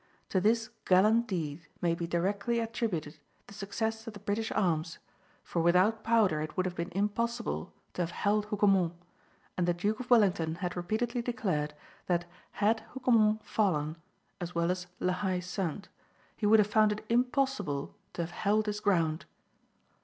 To this gallant deed may be directly attributed the success of the British arms, for without powder it would have been impossible to have held Hougoumont, and the Duke of Wellington had repeatedly declared that had Hougoumont fallen, as well as La Haye Sainte, he would have found it impossible to have held his ground.